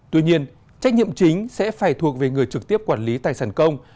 tuy nhiên trách nhiệm chính sẽ phải thuộc về người trực tiếp quản lý tài sản công